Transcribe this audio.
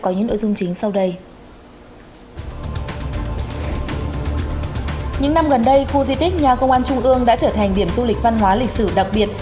những năm gần đây khu di tích nhà công an trung ương đã trở thành điểm du lịch văn hóa lịch sử đặc biệt